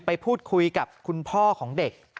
ไปพูดคุยกับคุณพ่อของเด็ก